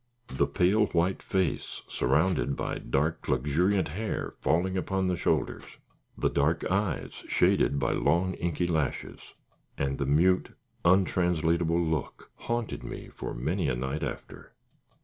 The pale white face, surrounded by dark, luxuriant hair falling upon the shoulders, the dark eyes shaded by long inky lashes, and the mute, untranslatable look, haunted me for many a night after.